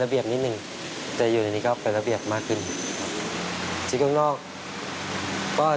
สิ่งที่ท่านมีแค่วิชาชีพคือองค์ฟอร์ด